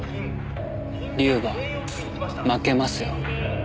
龍馬負けますよ。